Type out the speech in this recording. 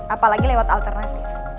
apalagi lewat alternatif